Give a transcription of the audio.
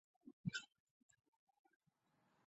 现任陕西省人大常委会副主任。